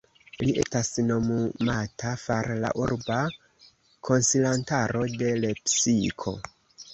Li estas nomumata far la urba konsilantaro de Lepsiko.